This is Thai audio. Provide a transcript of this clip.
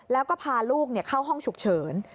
แล้วก็พาลูกเข้าห้องฉุกเฉิน